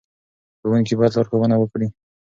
ښوونکي باید لارښوونه وکړي.